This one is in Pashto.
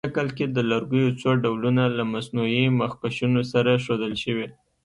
په شکل کې د لرګیو څو ډولونه له مصنوعي مخکشونو سره ښودل شوي.